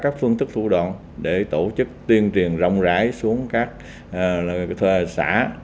các phương thức thủ đoạn để tổ chức tuyên truyền rộng rãi xuống các xã